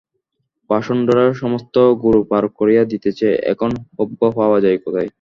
পাষণ্ডেরা সমস্ত গোরু পার করিয়া দিতেছে, এখন হব্য পাওয়া যায় কোথায়?